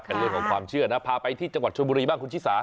เป็นเรื่องของความเชื่อนะพาไปที่จังหวัดชนบุรีบ้างคุณชิสา